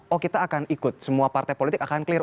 oh kita akan ikut semua partai politik akan clear